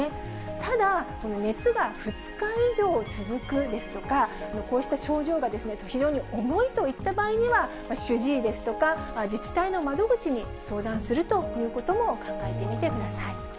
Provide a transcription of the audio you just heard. ただ、熱が２日以上続くですとか、こうした症状が非常に重いといった場合には、主治医ですとか、自治体の窓口に相談するということも考えてみてください。